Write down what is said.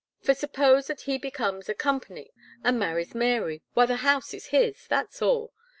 For suppose, that he becomes a Co., and marries Mary, why the house is his, that's all.